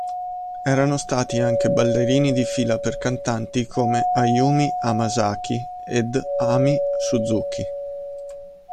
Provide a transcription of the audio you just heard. Erano stati anche ballerini di fila per cantanti come Ayumi Hamasaki ed Ami Suzuki.